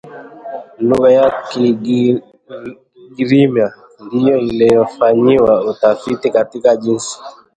lugha ya Kigiryama ndio inayofanyiwa utafiti katika jinsi